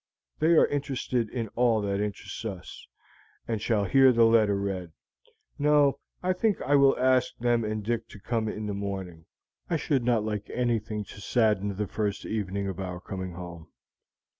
They are interested in all that interests us, and shall hear the letter read. No; I think I will ask them and Dick to come in the morning. I should not like anything to sadden the first evening of our coming home."